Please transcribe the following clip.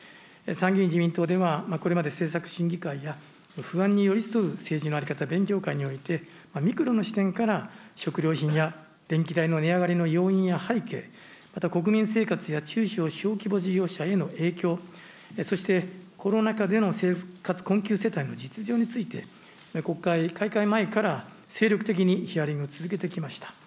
参議院自民党では、不安に寄り添う政治の在り方勉強会において、ミクロの視点から、食料品や電気代の値上がりや要因や背景、また国民生活や小中・小規模事業者への影響、そして、コロナ禍での生活困窮世帯の実情について、国会開会前から精力的にヒアリングを続けてきました。